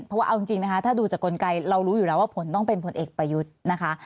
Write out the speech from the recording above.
เพราะว่าเอาจริงนะคะถ้าดูจากกลไกเรารู้อยู่แล้วว่าผลต้องเป็นผลเอกประยุทธ์นะคะ